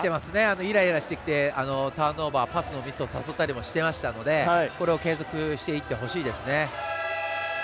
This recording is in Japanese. イライラしてきてターンオーバーのパスのミスを誘ったりしてきていましたのでこれを継続してほしいですね。